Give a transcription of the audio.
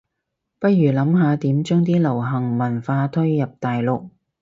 不如諗下點將啲流行文化推入大陸